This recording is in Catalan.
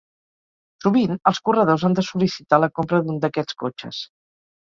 Sovint els corredors han de sol·licitar la compra d'un d'aquests cotxes.